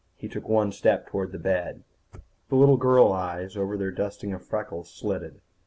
He took one step toward the bed. The little girl eyes over their dusting of freckles slitted.